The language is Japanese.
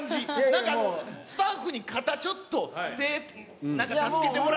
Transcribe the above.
なんかスタッフに、肩ちょっと、手、助けてもらって。